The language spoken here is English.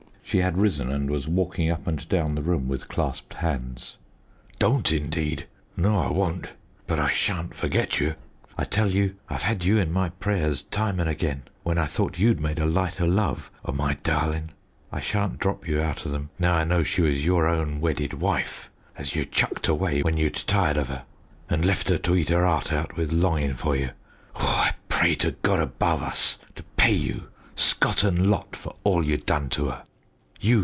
She had risen and was walking up and down the room with clasped hands "don't, indeed! No, I won't; but I shan't forget you! I tell you I've had you in my prayers time and again, when I thought you'd made a light o' love o' my darling. I shan't drop you outer them now I know she was your own wedded wife as you chucked away when you'd tired of her, and left 'er to eat 'er 'art out with longin' for you. Oh! I pray to God above us to pay you scot and lot for all you done to 'er!